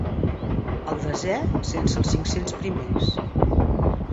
El desè sense els cinc-cents primers.